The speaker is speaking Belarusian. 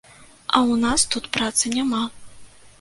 А ў нас тут працы няма.